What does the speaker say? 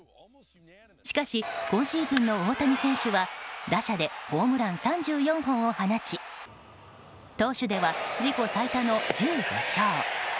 しかし、今シーズンの大谷選手は打者でホームラン３４本を放ち投手では自己最多の１５勝。